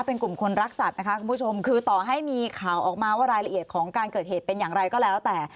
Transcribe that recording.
เป็นกลุ่มคนรักสัตว์นะคะคุณผู้ชมคือต่อให้มีข่าวออกมาว่ารายละเอียดของการเกิดเหตุเป็นอย่างไรก็แล้วแต่